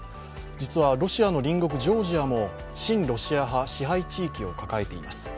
実はロシアの隣国ジョージアも親ロシア派支配地域を抱えています。